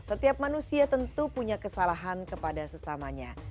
setiap manusia tentu punya kesalahan kepada sesamanya